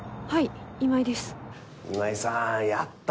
はい？